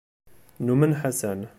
Numen Ḥasan.